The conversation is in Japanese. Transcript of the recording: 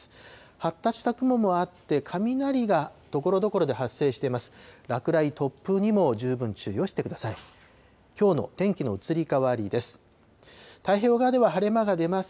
発達した雲もあって、雷がところどころで発生しています。